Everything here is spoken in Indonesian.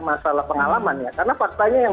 masalah pengalaman ya karena faktanya yang